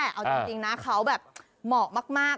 แต่เอาจริงนะเขาแบบเหมาะมาก